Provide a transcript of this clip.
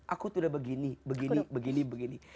aku tuh udah begini begini begini